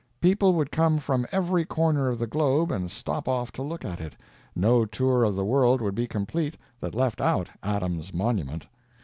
People would come from every corner of the globe and stop off to look at it, no tour of the world would be complete that left out Adam's monument.